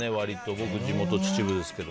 僕、地元が秩父ですけど。